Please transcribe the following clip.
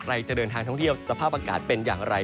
จะเดินทางท่องเที่ยวสภาพอากาศเป็นอย่างไร